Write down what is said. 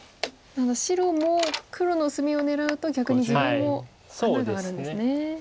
白も黒の薄みを狙うと逆に自分も穴があるんですね。